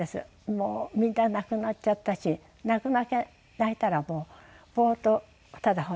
もうみんな亡くなっちゃったし泣くだけ泣いたらもうぼーっとただ本読んでた。